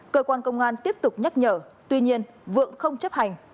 cơ quan công an tiếp tục nhắc nhở tuy nhiên vượng không chấp hành